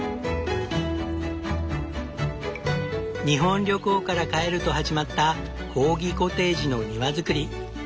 日本旅行から帰ると始まったコーギコテージの庭造り。